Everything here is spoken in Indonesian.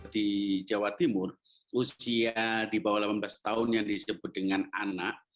di jawa timur usia di bawah delapan belas tahun yang disebut dengan anak